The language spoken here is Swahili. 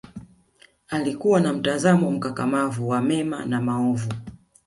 alikua na mtazamo mkakamavu wa mema na maovu